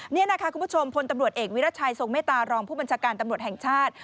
นี่ค่ะคุณผู้ตำรวจเอกวิรัชชัยสมมตรรองผู้บัญชาการตำรับแห่งชาติ